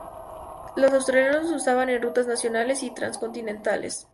Los australianos lo usaban en rutas nacionales y transcontinentales.